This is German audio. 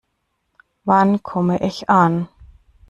Wann komme ich an?